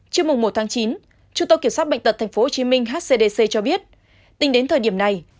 trước mùng một tháng chín trung tâm kiểm soát bệnh tật tp hcm hcdc cho biết tính đến thời điểm này